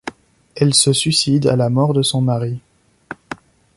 Elle se suicide à la mort de son mari.